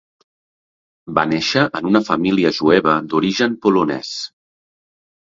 Va néixer en una família jueva d'origen polonès.